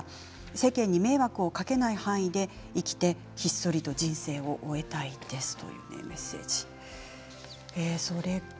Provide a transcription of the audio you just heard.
世間に迷惑をかけない範囲で生きていってひっそりと人生を終えたいですというメッセージ。